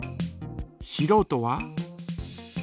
しろうとは？